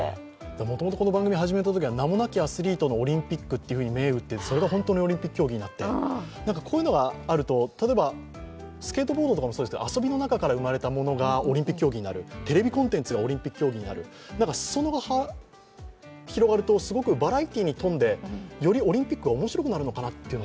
もともとこの番組始めたときは名もなきアスリートのオリンピックというふうに銘打って、それが本当にオリンピック競技になって、こういうのがあると、例えばスケートボードもそうですけど、遊びの中から生まれたものがオリンピック競技になる、テレビ競技がオリンピックになるすそ野が広がると、バラエティーに富んで、よりオリンピックが面白くなるのかなと。